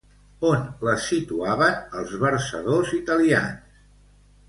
On les situaven els versadors italians?